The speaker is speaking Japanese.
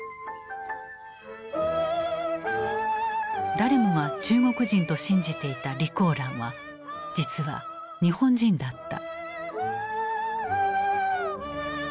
誰もが中国人と信じていた李香蘭は実は日本人だった。